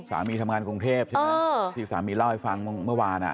สามีทำงานกรุงเทพใช่ไหมที่สามีเล่าให้ฟังเมื่อวาน